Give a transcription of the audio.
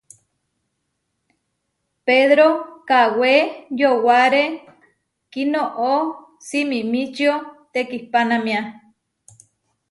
Pedro kawé yowáre kinoʼó simimičío tekipánamia.